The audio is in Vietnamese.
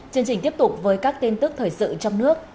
chương trình tiếp tục với các tin tức thời sự trong nước